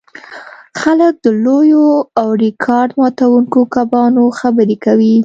خلک د لویو او ریکارډ ماتوونکو کبانو خبرې کوي